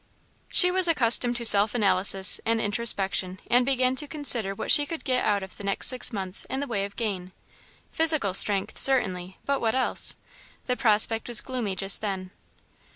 She was accustomed to self analysis and introspection, and began to consider what she could get out of the next six months in the way of gain. Physical strength, certainly, but what else? The prospect was gloomy just then.